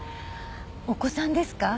お子さんですか？